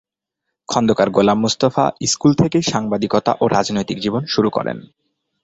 Khandakar Golam Mostafa school থেকেই সাংবাদিকতা ও রাজনৈতিক জীবন শুরু করেন।